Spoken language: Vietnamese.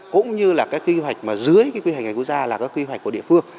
cũng như là cái quy hoạch mà dưới cái quy hoạch ngành quốc gia là các quy hoạch của địa phương